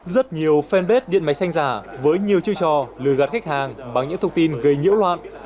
rất nhiều fanpage điện máy xanh giả với nhiều chiêu trò lừa gạt khách hàng bằng những thông tin gây nhiễu loạn